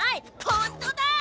ホントだ！